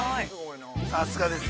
◆さすがです。